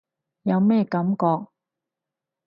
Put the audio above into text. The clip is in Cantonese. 有咩感覺？